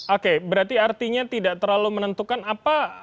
oke berarti artinya tidak terlalu menentukan apa